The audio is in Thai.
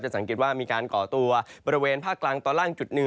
สังเกตว่ามีการก่อตัวบริเวณภาคกลางตอนล่างจุดหนึ่ง